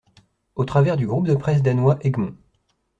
Au travers du groupe de presse danois Egmont.